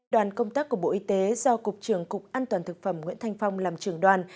đoàn công tác của bộ y tế do cục trưởng cục an toàn thực phẩm nguyễn thanh phong làm trường đoàn